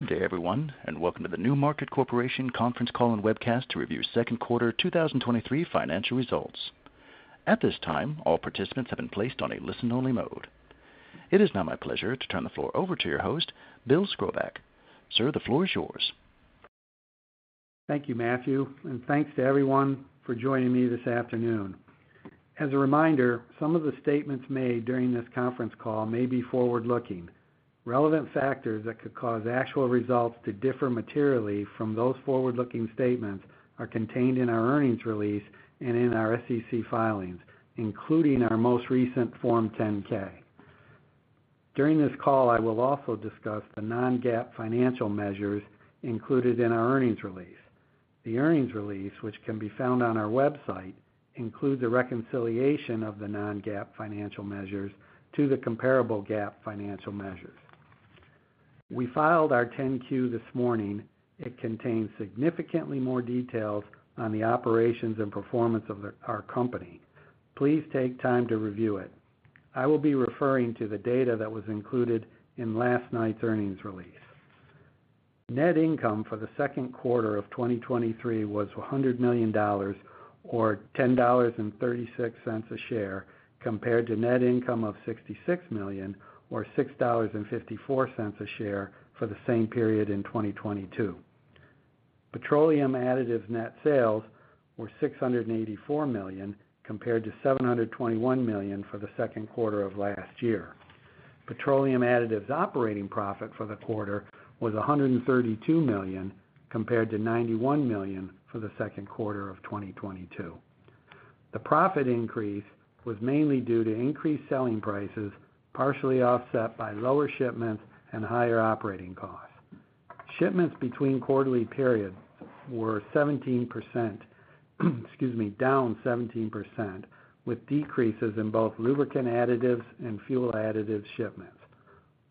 Good day, everyone, and welcome to the NewMarket Corporation conference call and webcast to review second quarter, 2023 financial results. At this time, all participants have been placed on a listen-only mode. It is now my pleasure to turn the floor over to your host, Bill Skrobacz. Sir, the floor is yours. Thank you, Matthew. Thanks to everyone for joining me this afternoon. As a reminder, some of the statements made during this conference call may be forward-looking. Relevant factors that could cause actual results to differ materially from those forward-looking statements are contained in our earnings release and in our SEC filings, including our most recent Form 10-K. During this call, I will also discuss the non-GAAP financial measures included in our earnings release. The earnings release, which can be found on our website, includes a reconciliation of the non-GAAP financial measures to the comparable GAAP financial measures. We filed our 10-Q this morning. It contains significantly more details on the operations and performance of our company. Please take time to review it. I will be referring to the data that was included in last night's earnings release. Net income for the second quarter of 2023 was $100 million or $10.36 a share, compared to net income of $66 million or $6.54 a share for the same period in 2022. Petroleum additives net sales were $684 million, compared to $721 million for the second quarter of last year. Petroleum additives operating profit for the quarter was $132 million, compared to $91 million for the second quarter of 2022. The profit increase was mainly due to increased selling prices, partially offset by lower shipments and higher operating costs. Shipments between quarterly periods were 17%, excuse me, down 17%, with decreases in both lubricant additives and fuel additive shipments.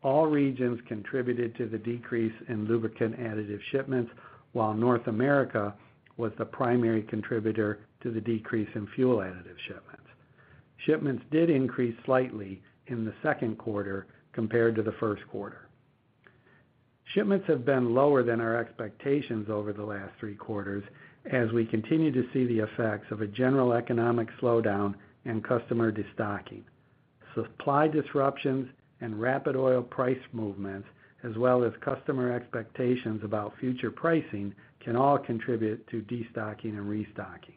All regions contributed to the decrease in lubricant additive shipments, while North America was the primary contributor to the decrease in fuel additive shipments. Shipments did increase slightly in the second quarter compared to the first quarter. Shipments have been lower than our expectations over the last three quarters as we continue to see the effects of a general economic slowdown and customer destocking. Supply disruptions and rapid oil price movements, as well as customer expectations about future pricing, can all contribute to destocking and restocking.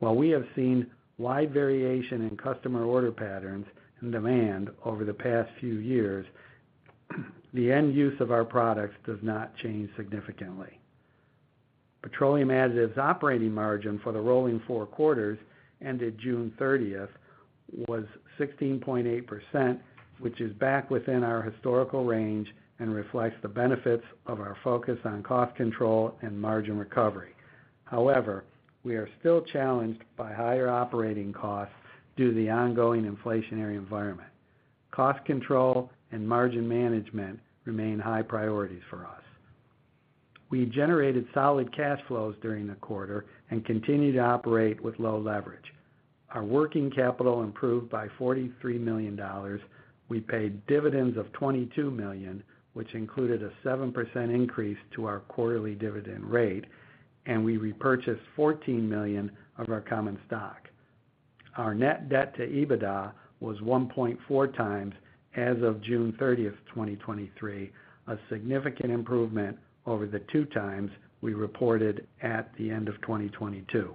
While we have seen wide variation in customer order patterns and demand over the past few years, the end use of our products does not change significantly. Petroleum additives operating margin for the rolling four quarters ended June 30th was 16.8%, which is back within our historical range and reflects the benefits of our focus on cost control and margin recovery. We are still challenged by higher operating costs due to the ongoing inflationary environment. Cost control and margin management remain high priorities for us. We generated solid cash flows during the quarter and continue to operate with low leverage. Our working capital improved by $43 million. We paid dividends of $22 million, which included a 7% increase to our quarterly dividend rate, and we repurchased $14 million of our common stock. Our net debt to EBITDA was 1.4 times as of June 30th, 2023, a significant improvement over the 2 times we reported at the end of 2022.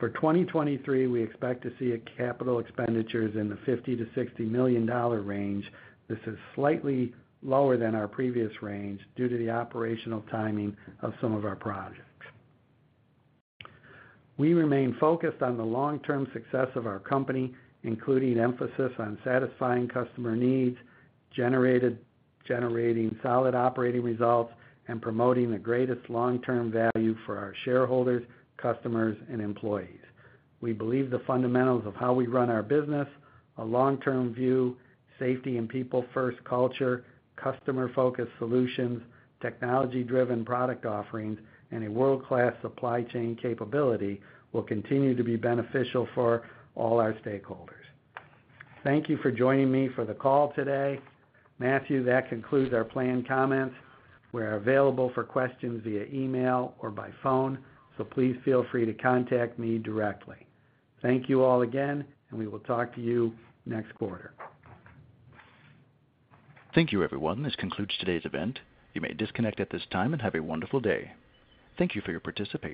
For 2023, we expect to see a capital expenditures in the $50 million-$60 million range. This is slightly lower than our previous range due to the operational timing of some of our projects. We remain focused on the long-term success of our company, including emphasis on satisfying customer needs, generating solid operating results, and promoting the greatest long-term value for our shareholders, customers, and employees. We believe the fundamentals of how we run our business, a long-term view, safety and people first culture, customer focused solutions, technology-driven product offerings, and a world-class supply chain capability will continue to be beneficial for all our stakeholders. Thank you for joining me for the call today. Matthew, that concludes our planned comments. We are available for questions via email or by phone, so please feel free to contact me directly. Thank you all again, we will talk to you next quarter. Thank you, everyone. This concludes today's event. You may disconnect at this time and have a wonderful day. Thank you for your participation.